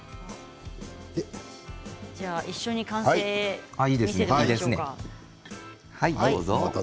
一緒に完成を見せていただいていいでしょうか。